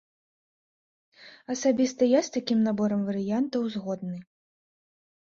Асабіста я з такім наборам варыянтаў згодны.